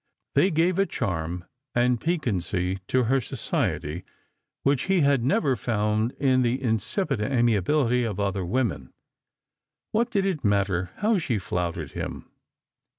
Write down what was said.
They gave a charm and piquancy to her society which he had never found in the insipid amiability of other women. What did it matter how she flouted him